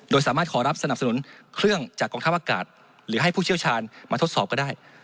โดยสามารถขอรับสนับสนุนเครื่องจากกองทัพอากาศหรือให้ผู้เชี่ยวชาญมาทดสอบก็ได้